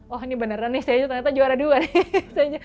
oh ini beneran nih kayaknya ternyata juara dua nih